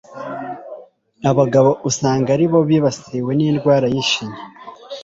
Abagabo usanga ari bo bibasiwe n'indwara y'ishinya